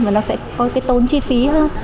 và nó sẽ có cái tốn chi phí hơn